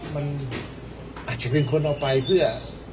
มันอาจจะเป็นคนเอาไปเพื่อ